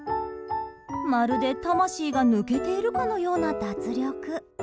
まるで魂が抜けているかのような脱力。